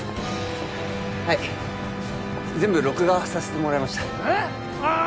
はい全部録画させてもらいましたえっ！？ああ？